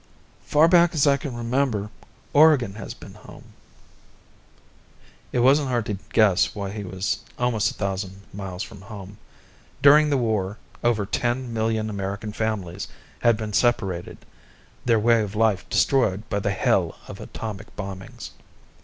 "Far back as I can remember, Oregon has been home." It wasn't hard to guess why he was almost a thousand miles from home. During the war, over ten million American families had been separated, their way of life destroyed by the hell of atomic bombings.